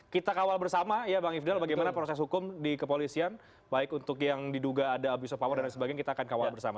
kita kawal bersama ya bang ifdal bagaimana proses hukum di kepolisian baik untuk yang diduga ada abuse of power dan lain sebagainya kita akan kawal bersama